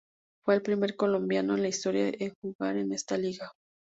Fue el primer colombiano en la historia en jugar en esta liga.